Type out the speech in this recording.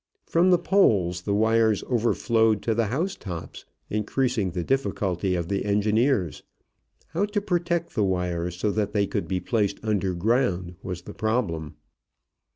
From the poles the wires overflowed to the housetops, increasing the difficulty of the engineers. How to protect the wires so that they could be placed underground was the problem.